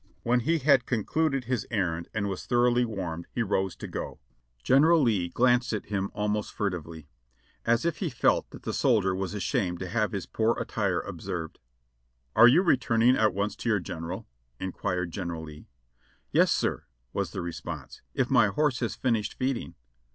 When he had concluded his errand and was thoroughly warmed, he rose to go. General Lee glanced at him almost furtively, as if he felt that the soldier was ashamed to have his poor attire observed. "Are you returning at once to your general?" inquired General Lee. "Yes, sir," was the response, "if my horse has finished feeding."